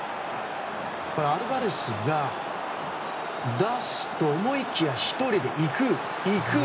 アルバレスが出すと思いきや１人で行く、行く！